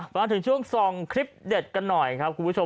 มาถึงช่วงส่องคลิปเด็ดกันหน่อยครับคุณผู้ชม